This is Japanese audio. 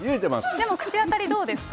でも口当たり、どうですか？